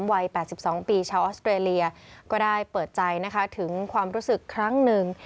วัย๘๒ปีชาวออสเตรเลียก็ได้เปิดใจนะคะถึงความรู้สึกครั้งหนึ่ง